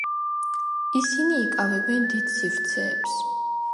ისინი იკავებენ დიდ სივრცეებს.